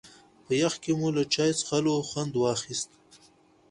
په يخ کې مو له چای څښلو خوند واخيست.